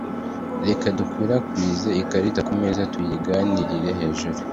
reka dukwirakwize ikarita kumeza tuyiganire hejuru